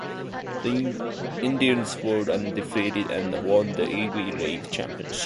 The Indians were undefeated and won the Ivy League championship.